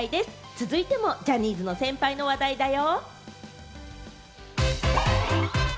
続いてもジャニーズの先輩の話題だよ。